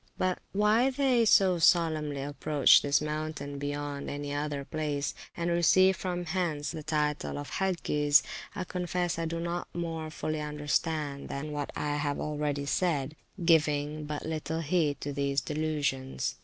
But why they so solemnly approach this mountain beyond any other place, and receive from hence the title of Hagges, I confess I do not more fully understand than what I have already said, giving but little heed to these delusions.